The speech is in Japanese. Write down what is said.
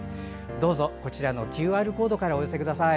どうぞ、こちらのＱＲコードからお寄せください。